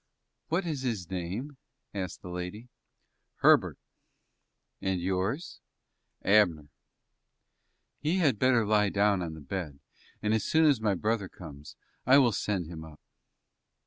"What is his name?" asked the lady. "Herbert." "And yours?" "Abner." "He had better lie down on the bed, and, as soon as my brother comes, I will send him up."